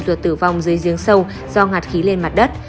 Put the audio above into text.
ruột tử vong dưới giếng sâu do ngạt khí lên mặt đất